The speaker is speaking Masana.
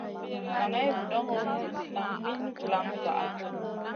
Naŋay vudoŋo, nan min vulaŋ vaʼa.